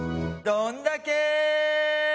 どんだけ！